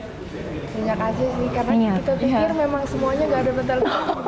nyenyak saja sih karena kita pikir memang semuanya tidak ada bentar